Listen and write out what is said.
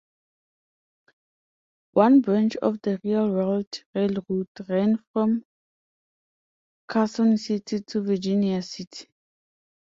One branch of the real-world railroad ran from Carson City to Virginia City.